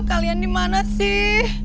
kalian di mana sih